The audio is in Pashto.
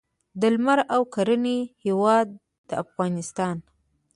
د لمر او کرنې هیواد افغانستان.